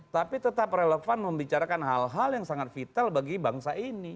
tapi tetap relevan membicarakan hal hal yang sangat vital bagi bangsa ini